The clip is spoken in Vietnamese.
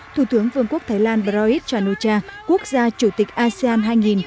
thủ tướng vương quốc thái lan broit chanucha quốc gia chủ tịch asean hai nghìn một mươi chín